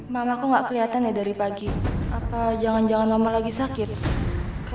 kalau kak sylvia gak hadir itu surat wasiat gak bisa dibaca